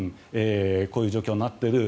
こういう状況になってる。